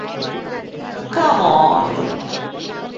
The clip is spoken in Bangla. Come on!